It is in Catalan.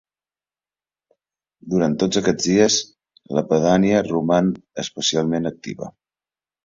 Durant tots aquests dies, la pedania roman especialment activa.